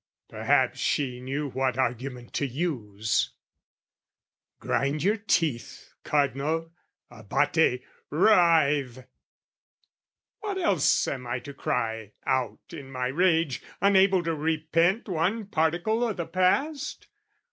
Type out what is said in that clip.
Perhaps she knew what argument to use. Grind your teeth, Cardinal, Abate, writhe! What else am I to cry out in my rage, Unable to repent one particle O' the past?